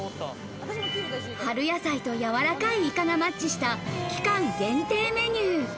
春野菜とやわらかいいかがマッチした期間限定メニュー。